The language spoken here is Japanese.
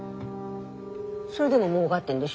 それでももうがってんでしょ？